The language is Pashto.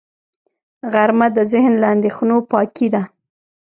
غرمه د ذهن له اندېښنو پاکي ده